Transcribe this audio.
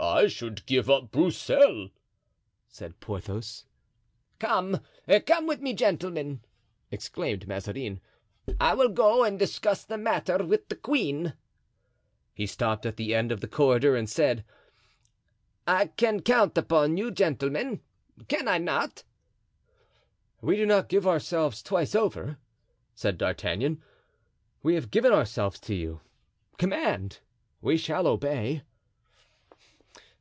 "I should give up Broussel," said Porthos. "Come, come with me, gentlemen!" exclaimed Mazarin. "I will go and discuss the matter with the queen." He stopped at the end of the corridor and said: "I can count upon you, gentlemen, can I not?" "We do not give ourselves twice over," said D'Artagnan; "we have given ourselves to you; command, we shall obey."